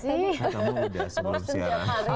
kamu sudah sebelum siaran